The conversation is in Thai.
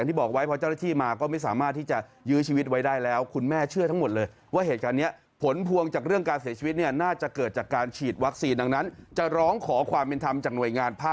นี้ไหล่ซ้ายเขาก็น้อมลงมาไอ้แม่ก็ตกใจไปดึงเขามา